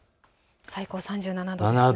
最高３７度です。